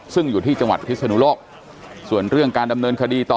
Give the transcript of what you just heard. ซึ่งอยู่ที่จังหวัดพิศนุโลกส่วนเรื่องการดำเนินคดีต่อ